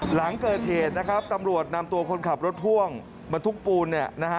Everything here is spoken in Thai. หลังเกิดเหตุนะครับตำรวจนำตัวคนขับรถพ่วงมาทุกปูน